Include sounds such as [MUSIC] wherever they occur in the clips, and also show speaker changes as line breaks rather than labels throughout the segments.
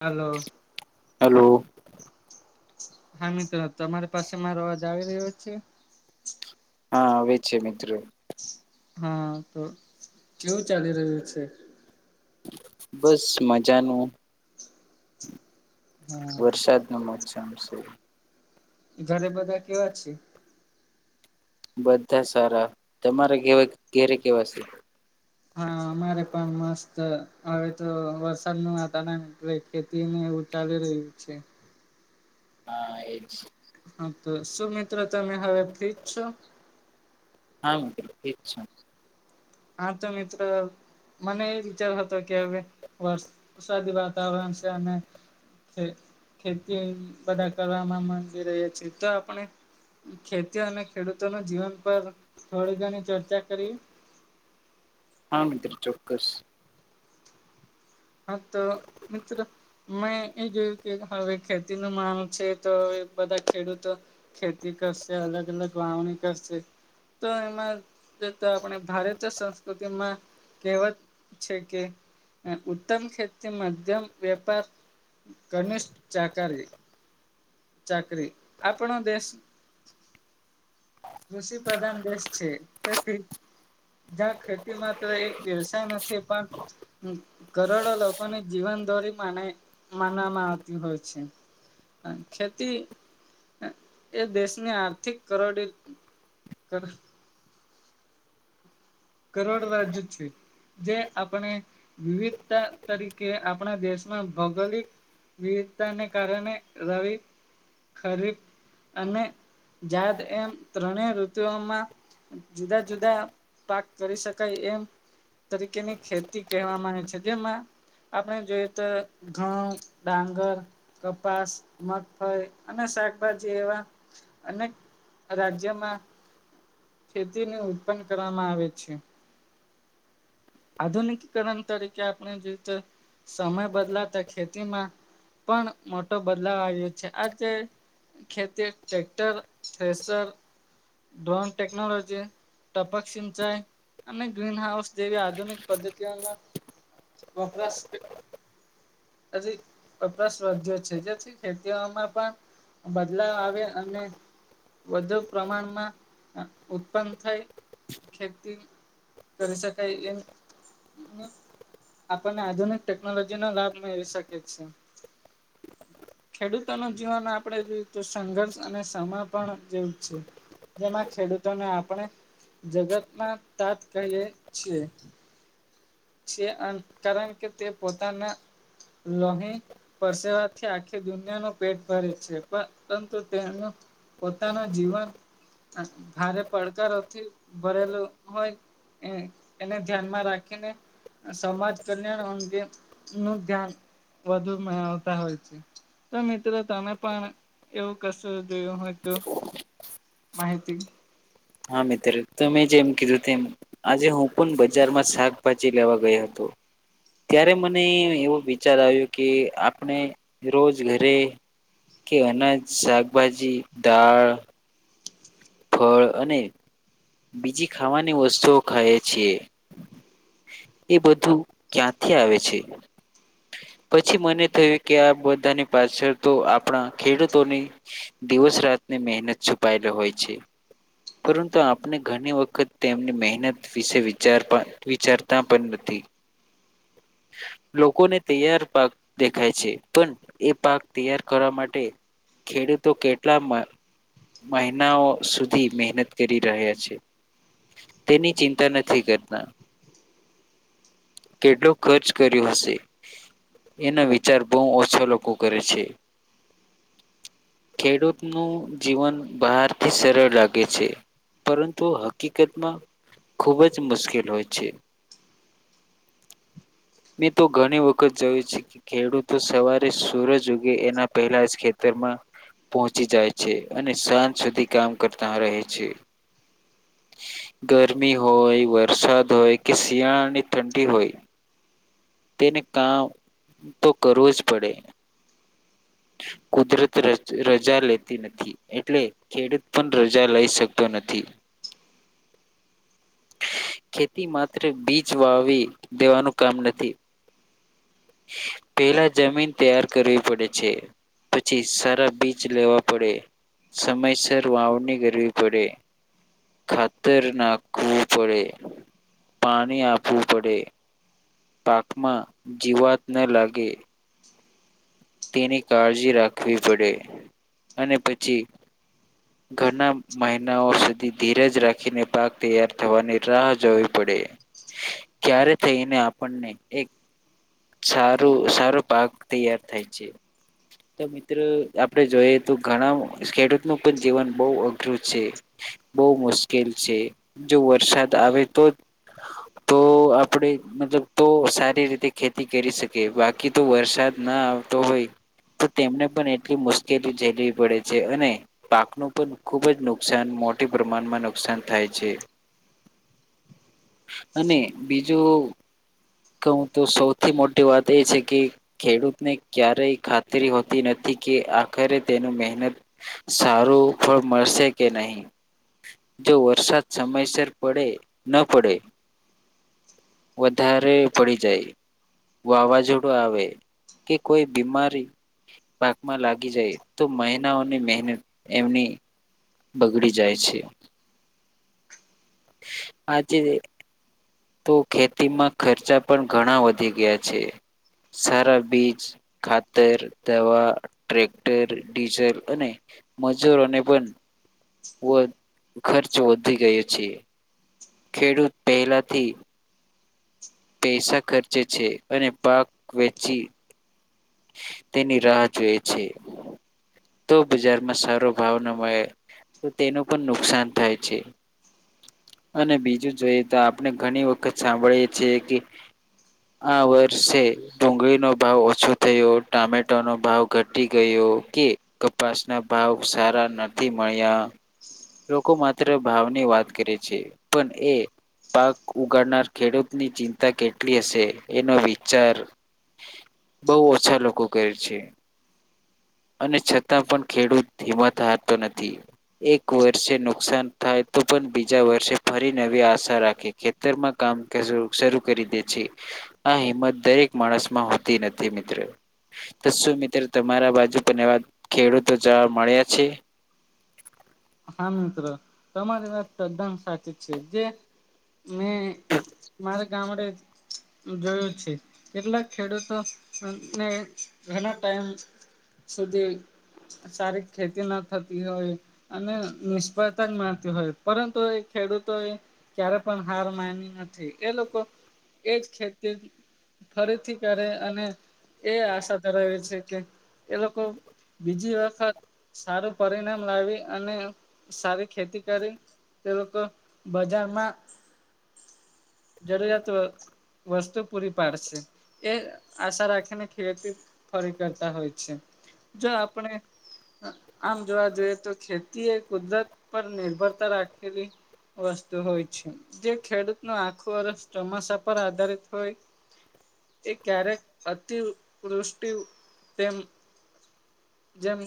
હાલો.
Hello
હા મિત્રો તમારી પાસે મારો અવાજ આવી રહ્યો છે?
હા આવે છે, મિત્રો
હા તો કેવું ચાલી રહ્યું છે?
બસ મજાનું
હા
વરસાદ નુ મોસમ છે.
ઘરે બધા કેવા છે?
બધા સારા તમારે ઘેરે કેવાશે?
હા અમારે પણ મસ્ત હવે તો વરસાદ નુ વાતારણ ખેતી ન એવું ચાલી રહ્યું છે.
હા એજ
હા તો શું મિત્રો તમે હવે ફ્રી જ છો
હા ઠીક છે.
હા તો મિત્ર. મને એ વિચાર હતો કે હવે વરસાદી વાતાવરણ છે, અને ખેતી બધા કરવામાં માંગી રહ્યા છીએ તો આપણે ખેતી અને ખેડૂતોના જીવન પર થોડી ઘણી ચર્ચા કરીએ
હા મિત્ર ચોક્કસ
હ તો મિત્ર મેં એ જોયું કે હવે ખેતીનો માલ છે તો બધા ખેડૂતો ખેતી કરતા. કરશે અલગ અલગ વાવણી કરશે. તો એમાં આપણે ભારતીય સંસ્કૃતિમાં કહેવત છે કે ઉત્તમ ખેતી, મધ્યમ વેપાર, ઘનિષ્ઠ જાકારી, ચાકરી આપણો દેશ કૃષિ પ્રધાન દેશ છે તેથી જ્યાં ખેતીમાંત્ર એક વ્યવસાય નથી પણ કરોડો લોકોની જીવન દોરી‌ માનાય માનવામાં આવતી હોય છે. ખેતીએ દેશની આર્થિક કરોડી કર કરોડ રાજ્ય જ છે. જે આપણે વિવિધતા તરીકે આપણા દેશમાં ભૌગોલિક વિવિધતાને કારણે રવિ, ખરીફ, અને જાદ એમ ત્રણે ઋતુઓમાં જુદા જુદા પાક કરી શકાય એમ તરીકેની ખેતી કહેવામાં આવે છે, જેમાં આપણે જોઈએ તો ઘઉ, ડાંગર, કપાસ, મગફળી અને શાકભાજી એવા અનેક રાજ્યોમાં ખેતીની ઉત્પન્ન કરવામાં આવે છે. આધુનિકીકરણ તરીકે આપણે જે રીતે સમય બદલાતા ખેતીમાં પણ મોટો બદલાવ આવ્યો છે આજે ખેતી ટ્રેક્ટર, થેસર, ડ્રોન ટેકનોલોજી, ટપક સિંચાઈ અને ગ્રીન હાઉસ જેવી આધુનિક પદ્ધતિઓમાં વપરાશ વપરાશ રાજ્યો છે, જેથી ખેતીઓમાં પણ બદલાવ આવે અને વધુ પ્રમાણમાં ઉત્પન્ન થાય ખેતી કરી શકાય એમ આપણને આધુનિક ટેકનોલોજીનો લાભ મેળવી શકે છે. ખેડૂતોનું જીવન આપણેે જોયએ તો સંઘર્ષ અને સમય પણ જેવું જ છે‌. જેમાં ખેડૂતોને આપણે જગતમાં તાત કહી છી છે કારણ કે તે પોતાના લોહી પરસેવાથી આખી દુનિયા ન પેટ ભરે છે પરંતુ તેનું પોતાનું જીવન ભારે પડકારોથી ભરેલું હોય હ એને ધ્યાનમાં રાખીને સમાજ કલ્યાણ અંગે નું ધ્યાન વધુ મેળવતા હોય છે તો મિત્રો તમે પણ એવું કશો હ એક તો માહિતી
હા મિત્ર તો મેં જેમ કીધું એમ આજે હું પણ બજારમાં શાકભાજી લેવા ગયો હતો હ ત્યારે મને એવો વિચાર આવ્યો કે આપણે રોજ ઘરે કે અનાજ શાકભાજી દાળ ફળ અને બીજી ખાવાની વસ્તુઓ ખાઈ છીએ એ બધું ક્યાંથી આવે છે પછી મને થયું કે આ બધાની પાછળ તો આપણા ખેડૂતોની દોસ રાતની મહેનત છુપાયેલી હોય છે પરંતુ આપણે ઘણી વખત તેમની મહેનત વિશે વિચાર વિચારતા પણ નથી
[INAUDIBLE]
લોકોને તૈયાર પાક દેખાય છે પણ એ પાક તૈયાર કરવા માટે ખેડૂતો કેટલા મહના ઘ સુધી મહેનત કરી રહ્યા છે. તેની ચિંતા નથી કરતા કેટલો ખર્ચ કર્યો હશે એનો વિચાર બહુ ઓછો લોકો કરે છે ખેડૂત નું જીવન બહારથી સરળ લાગે છે પરંતુ હકીકતમાં ખુબ જ મુશ્કેલ હોય છે મેં તો ઘણી વખત જોયું છે કે ખેડૂતો સવારે સુરજ ઉગે એના પહેલા જ ખેતી માં પહચી જાય છે અને સાંજ સુધી કામ કરતા રહે છે ગરમી હોય વરસાદ હોય કે શિયાળાની ઠંડી હોય
હ
તેને કામ તો કરવું જ પડે
હ
કુદરત રજા લેતી નથી એટલે ખેડૂત પણ રજા લઈ શકતો નથી [INAUDIBLE]
[INAUDIBLE]
ખેતી માત્ર બીજ વાવી દેવાનું કામ નથી પેલા જમીન તૈયાર કરવી પડે છે પછી સારા બીજ લેવા પડે સમયસર વાવણી કરરવી પડે ખાતર નાખવું પડે પાણી આપવું પડે પાકમાં જીવાત ન લાગે
[INAUDIBLE]
તેની કાળજી રાખવી પડે અને પછી ઘણા મહિનાઓ સુધી ધીરજ રાખીને પાક તૈયાર થવાની રાહ જોવી પડીે ક્યારે થઈને આપણને એક સારું સારો પાક તૈયાર થાય છે તો મિત્રો આપડે જોઈએ તો ઘણા ખેડૂતનું પણ જીવન બહુ અઘરું છે બહુ મુશ્કેલ છે જો વરસાદ આવે તો તો આપણે મતલબ તો સારી રીતે ખેતી કરી શકીએ બાકી તો વરસાદ ના આવે દુબઈ તો તેમને પણ એટલી મુશ્કેલી ઝેલવી પડે છે, અને પાકનું પણ ખુબ જ નુકસાન મોટી પ્રમાણમાં નુકસાન થાય છે.
[UNINTELLIGIBLE]
અને બીજું કવ તો સૌથી મોટી વાત એ છે કે ખેડૂતને ક્યારેય ખાતરી હોતી નથી કે આખરે તેનું મહેનત સારું ફળ મળ શે કે નહીં જો વરસાદ સમયસર પડે ન પડે વધારે પડી જાય વાવાઝોડું આવે કે કોઈ બીમારી પાાકમાં લાગી જાય તો મહિનાઓની મહેનત એમની બગડી જાય છે, આજે તો ખેતીમાં ખર્ચા પણ ઘણા વધી ગયા છે. સારા બીજ, ખાતર, દવા, ટ્રેક્ટર, ડીઝલ અને મજૂરોને પણ વધ ખર્ચ વધી ગયો છે. ખેડૂત પહેલાથી પૈસા ખર્ચે છે, અને પાક વેચી તેની રાહ જોએ છે તો બજારમાં સારો ભાવ ન હોય તો તેનું પણ નુકસાન થાય છે. અને બીજું જોઈએ તો આપણે ઘણી વખત સાંભળીએ છીએ કે આ વર્ષે ડુંગળીનો ભાવ ઓછો થયો ટામેટો નો ભાવ ઘટી ગયો કે કપાસ ના ભાવ સારા નથી અંઈયા લોકો માત્ર ભાવની વાત કરે છે, પણ એ પાક ઉગાડનાર ખેડૂતની ચિંતા કેટલી હશે એનો વિચાર
[INAUDIBLE]
બોવ ઓછા લોકો કરે છે.
[UNINTELLIGIBLE]
અને છતાં પણ ખેડૂત હિમાત હારતો નથી એક વર્ષે નુકસાન થાય તો પણ બીજા વર્ષે ફરી નવી આશા રાખે ખેતરમાં કામ [UNINTELLIGIBLE] શરૂ કરી દે છે. આ હિંમત દરેક માણસમાં હોતી નથી મિત્રો તો શું મિત્ર તમારા બાજુ પણ એવા ખેડૂતો જોવા મળ્યા છે?
હા મિત્રો તમારી વાત તદ્દન સાચી છે, જે મેં મારા ગામડે જોયું છે, કેટલાક ખેડૂતોને ઘણા ટાઈમ સુધી સારી ખેતી ના થતી હોય અને નિષ્ફળતા જ મળતી હોય પરંતુ એ ખેડૂતો એ ક્યારે પણ હાર માની ન થી એ લોકો એજ ખેતી ફરીથી કરે અને એ આશા ધરાવે છે કે એ લોકો બીજી વખત સારું પરિણામ લાવી અને સારી ખેતી કરી તે લોકો બજારમાં જરૂરિયાતો વસ્તુ પૂરી પાડશે એ આશા રાખીને ખેતી ફરી કરતા હોય છે. જો આપણે આમ જોવા જોઈએ તો ખેતી એ કુદરત પર નિર્ભરતા રાખેલી વસ્તુ હોય છે, જે ખેડૂત ન આખો વર્ષ ચોમાસા પર આધારિત હોય એ ક્યારેક અતિ વૃષ્ટિ તેમ જેમ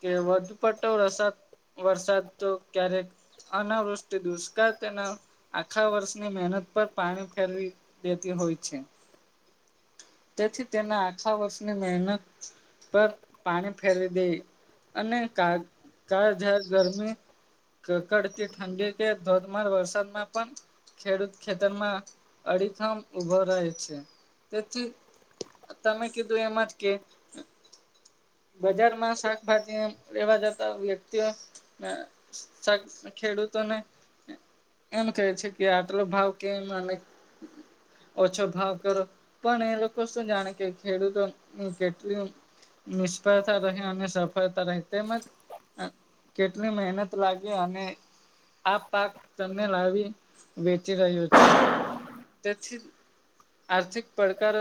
કે વધુ પડટો વ્રસાદ વરસાદ તો ક્યારેક અનાવૃષ્ટિ દુષ્કાળ તેના આખા વર્ષની મહેનત પર પાણી ફેરવી દેતી હોય છે તેથી તેને આખા વર્ષની મહેનત પર પાણી ફેરવી દઈ અને કાળ ઝાડ ગરમી કકડતી ઠંડી કે ધોધમાર વરસાદમાં પણ ખેડૂત ખેતરમાં અડીખામ ઉભો રહે છે તેથી તમે કીધું એમાં જ કે બજાર માં શાકભાજી લેવા જતા વ્યક્તિઓ અને ખેડૂતોને એમ કેહે છે કે આટલો ભાવ કેમ અને ઓછો ભાવ કરો પણ એ લોકો શું જાણે કે ખેડૂતો કેટલી નિષ્ફળતા રહે અને સફળતા રહે તેમજ કેટલી મહેનત લાગી અને આ પાક તમને લાવી વેચી રહ્યો છે તેથી આર્થિક પડકાર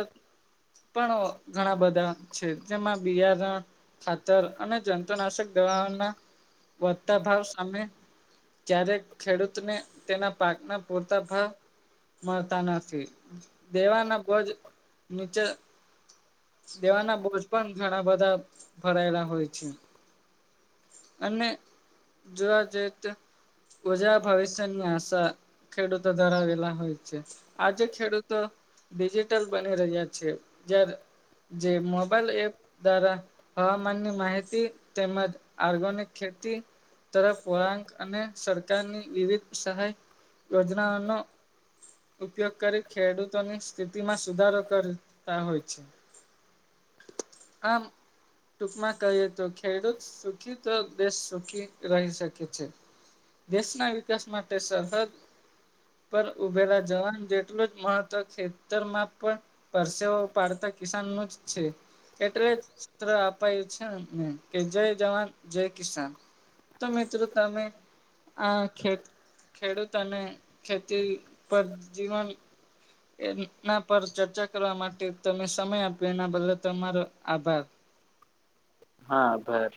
પણ ઘણા બધા છે જેમાં બિયારણ ખાતર અને જંતુનાશક દવા દુકાન ના વધતા ભાવ સામે જ્યારે ખેડૂતને તેના પાકના પૂરતા ભાવ મળતા નથી દેવાના ભોજ નીચે દેવાના બોજ પણ ઘણા બધા ભરાયેલા હોય છે અને જોવા જઈ તો ઉજા ભવિષ્યની આશા ખેડૂતો ધરાવેલા હોય છે, આજે ખેડૂતો ડિજિટલ બની રહ્યા છે જ્યારે [UNINTELLIGIBLE] જે મોબાઈલ એપ દ્વારા હવામાનની માહિતી તેમજ ઓર્ગનિક ખેતી ખેતી તરફ વળાંક અને સરકારની વિવિધ સહાય યોજનાઓનો ઉપયોગ કરી ખેડૂતોની સ્થિતિ માં સુધારો કરી કરતા હોય છે આમ ટૂકમાં કહીએ તો ખેડૂત સુખી તો દેશ સુખી રહી શકે છે દેશના વિકાસ માટે સરહદ પર ઉભેલા જવાન જેટલું જ મહત્વ ખેતરમાં પણ પરસેઓ પાડતા કિસાનનો જ છે એટલે જ સૂત્ર અપાયું છે એમને કે જય જવાન જય કિસાન તો મિત્રો તમે આ ખેત ખેડૂત અને ખેતી પર જીવન એના પર ચર્ચા કરવા માટે તમે સમય આપ્યો એના બદલે તમારો આભાર [INAUDIBLE]
હા આભાર